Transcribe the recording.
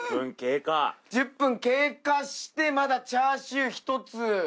１０分経過してまだチャーシュー１つ。